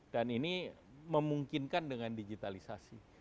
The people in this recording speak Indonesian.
dan ini memungkinkan dengan digitalisasi